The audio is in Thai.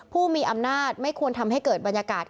ผู้มีอำนาจไม่ควรทำให้เกิดบรรยากาศ